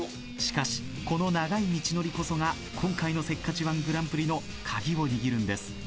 しかしこの長い道のりこそが今回のせっかち−１グランプリの鍵を握るんです。